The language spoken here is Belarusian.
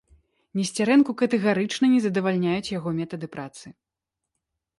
Несцярэнку катэгарычна не задавальняюць яго метады працы.